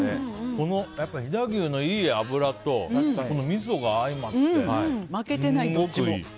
飛騨牛のいい脂とみそが相まってすごくいい！